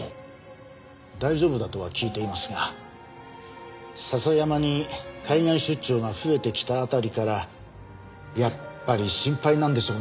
大丈夫だとは聞いていますが笹山に海外出張が増えてきた辺りからやっぱり心配なんでしょうね。